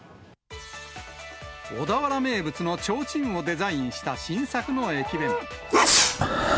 小田原名物のちょうちんをデザインした新作の駅弁。